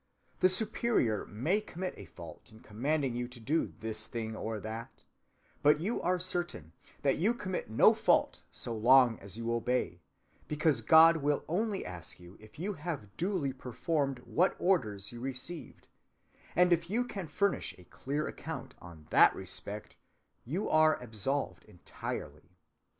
The Superior may commit a fault in commanding you to do this thing or that, but you are certain that you commit no fault so long as you obey, because God will only ask you if you have duly performed what orders you received, and if you can furnish a clear account in that respect, you are absolved entirely.